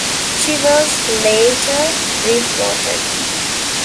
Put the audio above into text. She was later refloated.